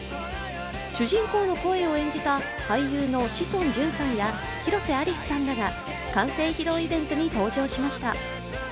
主人公の声を演じた俳優の志尊淳さんや広瀬アリスさんらが完成披露イベントに登場しました。